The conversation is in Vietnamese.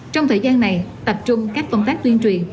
trong thời gian này tập trung các công tác tuyên truyền